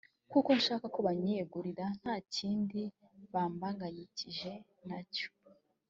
kuko nshaka ko banyiyegurira nta kindi bambangikanyije na cyo